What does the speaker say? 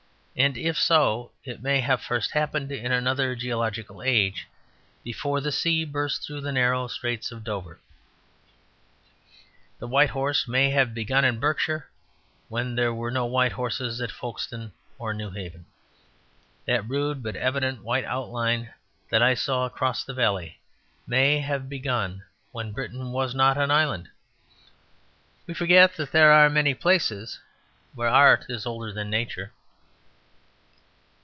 And if so, it may have first happened in another geological age, before the sea burst through the narrow Straits of Dover. The White Horse may have begun in Berkshire when there were no white horses at Folkestone or Newhaven. That rude but evident white outline that I saw across the valley may have been begun when Britain was not an island. We forget that there are many places where art is older than nature.